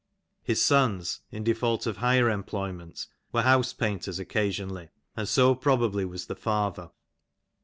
His sons, in default of higher employment^ were house painters occasionally, and so pro bably was the father.